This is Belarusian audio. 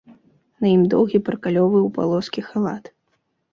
На ім доўгі паркалёвы ў палоскі халат.